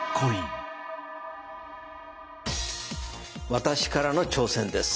私からの挑戦です。